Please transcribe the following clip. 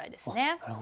なるほど。